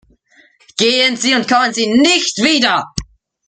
Gehen Sie und kommen Sie nicht wieder!